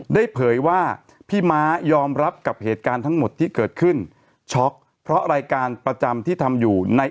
เผยว่าพี่ม้ายอมรับกับเหตุการณ์ทั้งหมดที่เกิดขึ้นช็อกเพราะรายการประจำที่ทำอยู่ใน